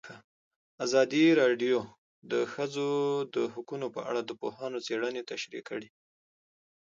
ازادي راډیو د د ښځو حقونه په اړه د پوهانو څېړنې تشریح کړې.